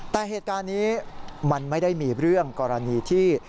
แต่เหตุการณ์นี้มันไม่ได้มีเรื่องกรณีที่